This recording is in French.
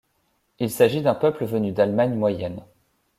Il s'agit d'un peuple venu d'Allemagne moyenne.